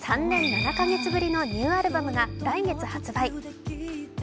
３年７カ月ぶりのニューアルバムが来月発売。